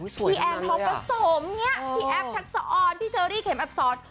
สวยจังนั้นเลยพี่แอมพร์ประสมพี่แอฟทักซะออนพี่เชอรี่เข็มแอบซอส